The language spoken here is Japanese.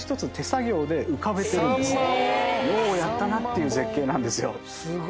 ようやったなっていう絶景なんですよ。